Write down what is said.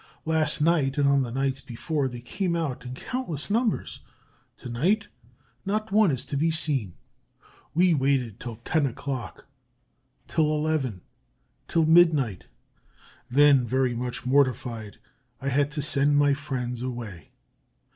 Last night and on the nights before they came out in countless numbers; to night not one is to be seen. We waited till ten o'clock, till eleven, till midnight. Then, very much mortified, I had to send my friends away.